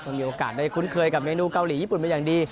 ก็มีโอกาสได้คุ้นเคยกับเมนูเกาหลีญี่ปุ่นมาอย่างดี